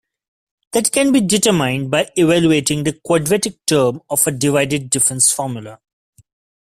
That can be determined by evaluating the quadratic term of a divided difference formula.